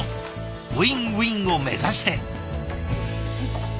ウィンウィンを目指して。